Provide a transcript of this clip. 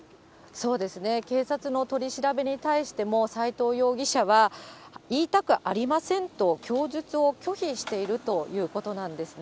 そうですね、警察の取り調べに対しても斎藤容疑者は、言いたくありませんと、供述を拒否しているということなんですね。